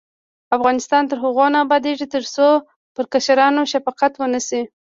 افغانستان تر هغو نه ابادیږي، ترڅو پر کشرانو شفقت ونشي.